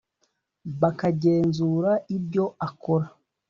bakagenzura ibyo akora